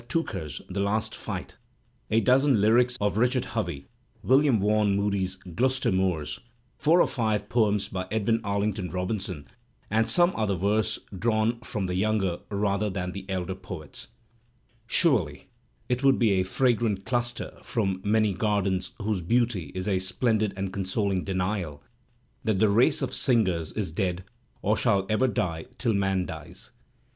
Tooker's "The Last Fight," a dozen lyrics of Richard Hovey, William Vaughn Moody's "Gloucester Moors," four or five poems by Edwin Arlington Robinson, and some other verse drawn 300 Digitized by Google SIO THE SPIRIT OF AMERICAN LITERATURE from the younger rather than the elder poets. Surely it would be a fragrant cluster from many gardens whose beauty is a splendid and consoling denial that the race of singers is dead or shall ever die till man dies.